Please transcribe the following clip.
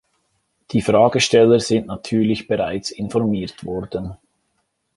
Die Fragesteller sind natürlich bereits informiert worden.